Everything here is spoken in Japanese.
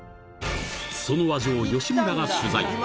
その味を吉村が取材。